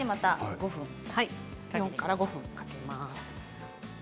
４分から５分かけます。